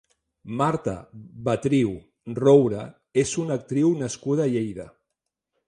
Marta Betriu Roure és una actriu nascuda a Lleida.